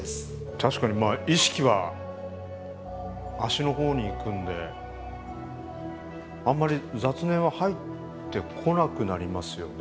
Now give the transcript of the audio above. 確かにまあ意識は足の方にいくんであんまり雑念は入ってこなくなりますよね。